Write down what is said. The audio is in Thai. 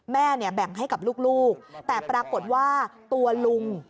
แม่เนี่ยแบ่งให้กับลูกแต่ปรากฏว่าตัวลุง